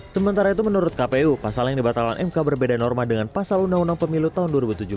sementara itu menurut kpu pasal yang dibatalkan mk berbeda norma dengan pasal undang undang pemilu tahun dua ribu tujuh belas